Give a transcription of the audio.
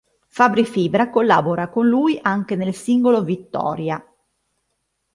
Fabri Fibra collabora con lui anche nel singolo "Vittoria".